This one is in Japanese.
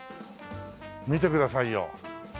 見てくださいよ。